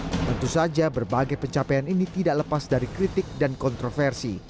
tentu saja berbagai pencapaian ini tidak lepas dari kritik dan kontroversi